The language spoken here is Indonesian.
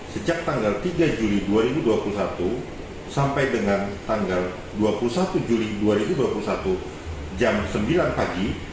sejak tanggal tiga juli dua ribu dua puluh satu sampai dengan tanggal dua puluh satu juli dua ribu dua puluh satu jam sembilan pagi